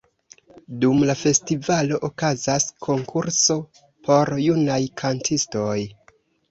Dum la festivalo okazas konkurso por junaj kantistoj.